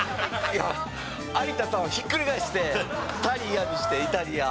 いや有田さんをひっくり返してタリアにしてイタリア。